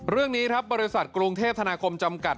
เรื่องนี้ครับบริษัทกรุงเทพธนาคมจำกัด